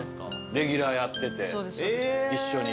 レギュラーやってて一緒に。